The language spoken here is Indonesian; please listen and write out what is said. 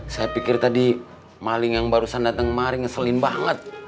saya pikir tadi maling yang barusan datang maling ngeselin banget